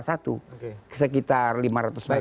sekitar lima ratus meter